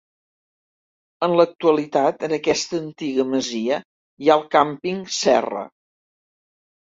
En l'actualitat, en aquesta antiga masia hi ha el Càmping Serra.